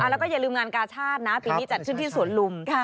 แล้วก็อย่าลืมงานกาชาตินะปีนี้จัดขึ้นที่สวนลุม